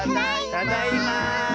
ただいま！